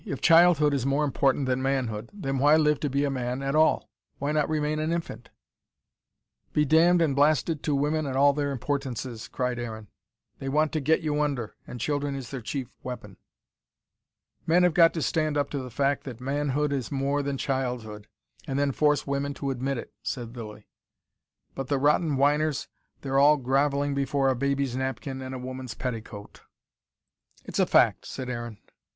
"If childhood is more important than manhood, then why live to be a man at all? Why not remain an infant?" "Be damned and blasted to women and all their importances," cried Aaron. "They want to get you under, and children is their chief weapon." "Men have got to stand up to the fact that manhood is more than childhood and then force women to admit it," said Lilly. "But the rotten whiners, they're all grovelling before a baby's napkin and a woman's petticoat." "It's a fact," said Aaron.